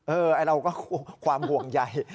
เราก็ความห่วงใหญ่